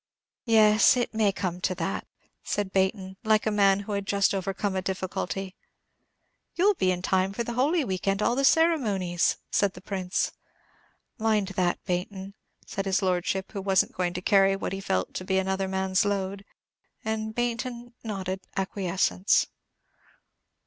"Yes, it may come to that," said Baynton, like a man who had just overcome a difficulty. "You 'll be in time for the Holy Week and all the ceremonies," said the Prince. "Mind that, Baynton," said his Lordship, who wasn't going to carry what he felt to be another man's load; and Baynton nodded acquiescence.